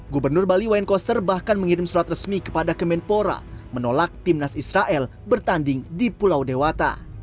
gubernur bali wayne koster bahkan mengirim surat resmi kepada kemenpora menolak timnas israel bertanding di pulau dewata